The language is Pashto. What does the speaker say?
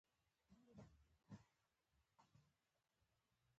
پۀ ما غونے زګ زګ شۀ ـ